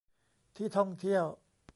ที่ท่องเที่ยว